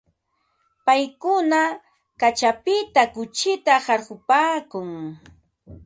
Paykuna kaćhapita kuchita qarqupaakun.